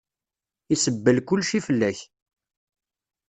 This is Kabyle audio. Isebbel kulci fell-ak.